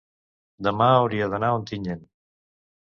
Demà hauria d'anar a Ontinyent.